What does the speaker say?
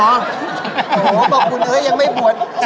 โอ้โหบอกคุณเอ้ยยังไม่บวช